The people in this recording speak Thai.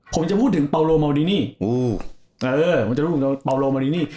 ผมจะพูดถึงปาโรมาลินี่อู้เออผมจะพูดถึงปาโรมาลินี่